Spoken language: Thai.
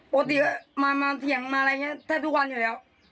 ปกติมาเถียงมาอะไรแทบทุกวันอยู่แล้ว